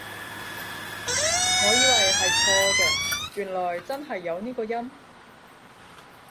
我以為係錯嘅，原來真係有呢個音？